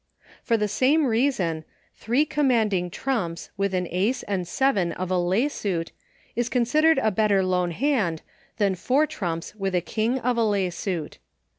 For the same reason, three commanding trumps with an Ace and seven of a lay suit, is considered a better lone hand than four trumps with a King of a lay suit.